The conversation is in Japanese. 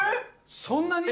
そんなに？